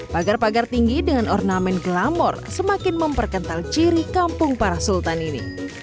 pagar pagar tinggi dengan ornamen glamor semakin memperkental ciri kampung para sultan ini